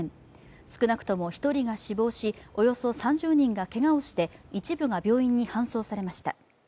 少なくとも１人が死亡し、およそ３０人がけがをして一部が病院に搬送されました。